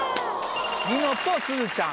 ニノとすずちゃん。